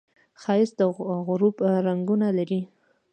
ښایست د غروب رنګونه لري